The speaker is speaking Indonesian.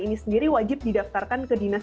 ini sendiri wajib didaftarkan ke dinas